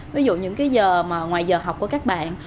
ví dụ những cái giờ mà ngoài giờ học của các bạn